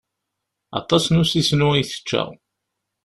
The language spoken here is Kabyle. Aṭas n usisnu i tečča.